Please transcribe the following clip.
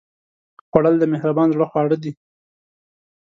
خوړل د مهربان زړه خواړه دي